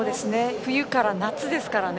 冬から夏ですからね。